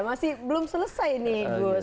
masih belum selesai nih gus